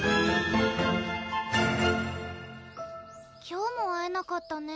今日も会えなかったね